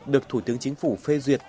được thủ tướng chính phủ phê duyệt